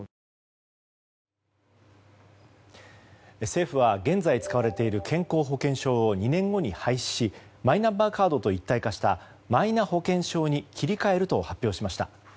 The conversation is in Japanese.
政府は現在使われている健康保険証を２年後に廃止しマイナンバーカードと一体化したマイナ保険証に切り替えると発表しました。